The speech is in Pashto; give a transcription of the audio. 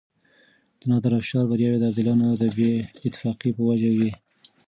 د نادرافشار برياوې د ابدالیانو د بې اتفاقۍ په وجه وې.